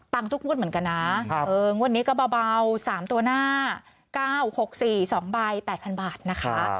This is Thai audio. ตังค์ทุกวันเหมือนกันนะวันนี้ก็เบา๓ตัวหน้า๙๖๔๒ใบ๘๐๐๐บาทนะคะ